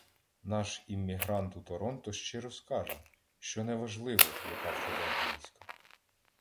Наш іммігрант у Торонто щиро скаже, що неважливо, яка в тебе англійська